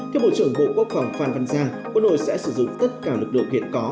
theo bộ trưởng bộ quốc phòng phan văn giang quân đội sẽ sử dụng tất cả lực lượng hiện có